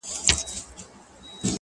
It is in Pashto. ویل صاحبه زموږ خو ټول ابرو برباد سوه.